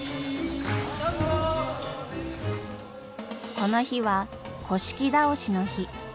この日は倒しの日。